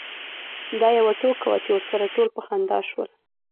دا یوه ټوکه وه چې ورسره ټول په خندا شول.